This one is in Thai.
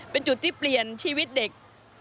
เป็นจุดที่เปลี่ยนชีวิตเด็ก